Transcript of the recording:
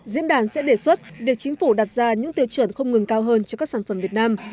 diễn đàn sẽ đề xuất việc chính phủ đặt ra những tiêu chuẩn không ngừng cao hơn cho các sản phẩm việt nam